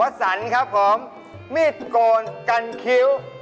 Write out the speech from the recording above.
สรรครับผมมีดโกนกันคิ้ว